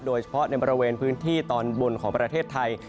โดยเฉพาะในบริเวณพื้นที่ตอนบนของประเทศไทย